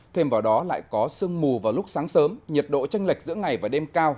thêm vào đó lại có sương mù vào lúc sáng sớm nhiệt độ tranh lệch giữa ngày và đêm cao